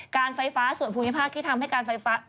การไฟฟ้าส่วนภูมิภาคที่ทำให้การไฟฟ้า